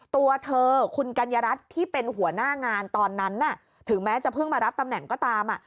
ตัวเธอคุณกัญญารัฐที่เป็นหัวหน้างานตอนนั้นถึงแม้จะเพิ่งมารับตำแหน่งก็ตาม